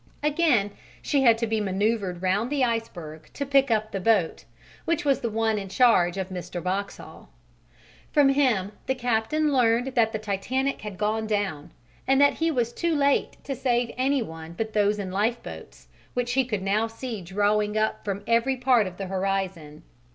Again she had to be manoeuvred round the iceberg to pick up the boat, which was the one in charge of Mr. Boxhall. From him the captain learned that the Titanic had gone down, and that he was too late to save any one but those in lifeboats, which he could now see drawing up from every part of the horizon.